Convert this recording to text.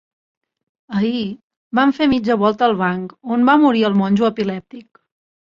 Ahir, vam fer mitja volta al banc on va morir el monjo epilèptic.